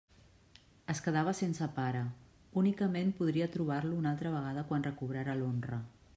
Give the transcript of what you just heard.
Es quedava sense pare: únicament podria trobar-lo una altra vegada quan recobrara l'honra.